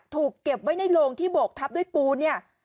เก็บไว้ในโลงที่โบกทับด้วยปูนเนี่ย